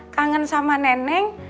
kangen sama neneng